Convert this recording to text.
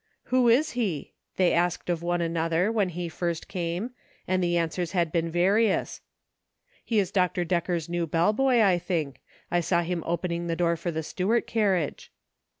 " Who is he .''" they had asked of one ^ another when he first came, and the answers had been various :" He is Dr. Decker's new bell boy, I think. I saw him opening the door for the Stuart car riage."